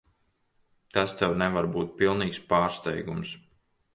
Tas tev nevar būt pilnīgs pārsteigums.